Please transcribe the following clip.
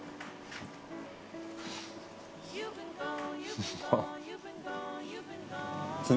うまっ。